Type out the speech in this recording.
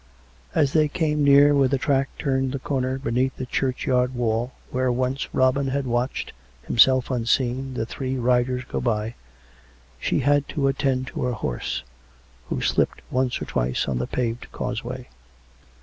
As they came near where the track turned the corner beneath the churchyard wall, where once Robin had watched, himself unseen, the three riders go by, she had to attend to her horse, who slijiped once or twice on the paved causeway.